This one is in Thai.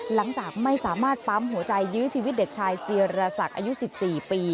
หลังจากไม่สามารถปั๊มหัวใจยื้อชีวิตเด็กชายเจียรศักดิ์อายุ๑๔ปี